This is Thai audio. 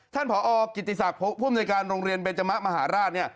ท่านผอกิจิศัพท์ผู้อำนวยการโรงเรียนเบนจมะมหาราชเนี่ย